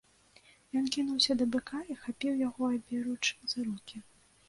Ён кінуўся да быка і хапіў яго аберуч за рогі.